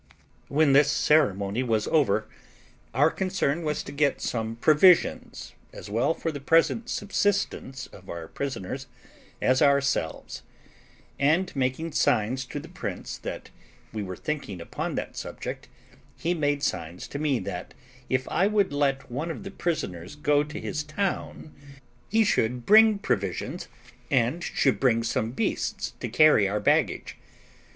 When this ceremony was over, our concern was to get some provisions, as well for the present subsistence of our prisoners as ourselves; and making signs to our prince that we were thinking upon that subject, he made signs to me that, if I would let one of the prisoners go to his town, he should bring provisions, and should bring some beasts to carry our baggage.